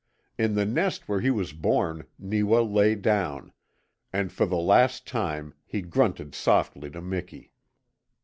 In the nest where he was born Neewa lay down, and for the last time he grunted softly to Miki.